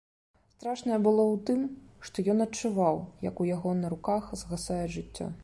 Страшнае было ў тым, што ён адчуваў, як у яго на руках згасае жыццё.